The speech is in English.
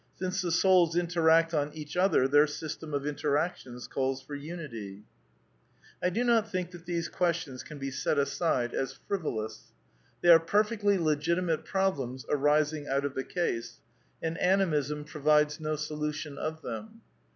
Since the souls interact on each other, ilfieir system of interactions calls for unity. I do not think that these questions can be set aside as SOME QUESTIONS OF METAPHYSICS 111 frivolous. They are perfectly legitimate problems arising out of the case ; and Animism provides no solution of them.